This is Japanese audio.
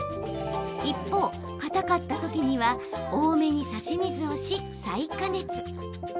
一方、かたかったときには多めに差し水をし、再加熱。